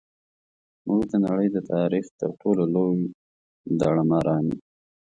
موږ د نړۍ د تاریخ تر ټولو لوی داړه ماران یو.